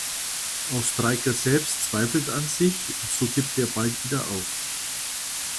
Auch Striker selbst zweifelt an sich, und so gibt er bald wieder auf.